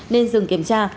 nên dừng kiểm tra